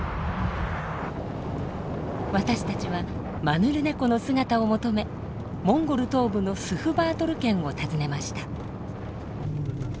私たちはマヌルネコの姿を求めモンゴル東部のスフバートル県を訪ねました。